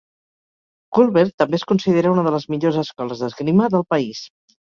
Culver també es considera una de les millors escoles d'esgrima del país.